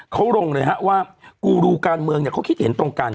เขาลงเลยฮะว่ากูรูการเมืองเขาคิดเห็นตรงกัน